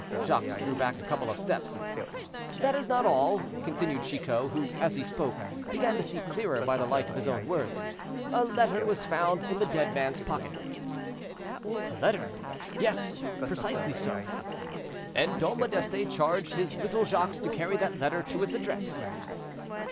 Jacques drew back a couple of steps. "That is not all," continued Chicot, who, as he spoke, began to see clearer by the light of his own words; "a letter was found in the dead man's pocket." "A letter—yes, precisely so." "And Dom Modeste charged his little Jacques to carry that letter to its address."